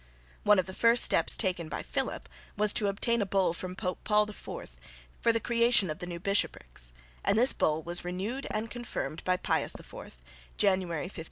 One of the first steps taken by Philip was to obtain a Bull from Pope Paul IV for the creation of the new bishoprics, and this Bull was renewed and confirmed by Pius IV, January, 1560.